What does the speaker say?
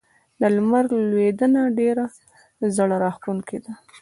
د لمر لوېدنه ډېره زړه راښکونکې ده.